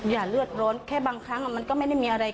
อย่าเลือดร้อนแค่บางครั้งมันก็ไม่ได้มีอะไร